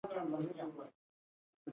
مینه خپره کړئ!